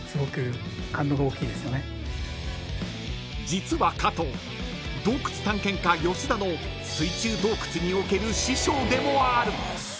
［実は加藤洞窟探検家吉田の水中洞窟における師匠でもある］